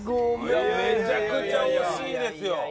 めちゃくちゃ惜しいですよ。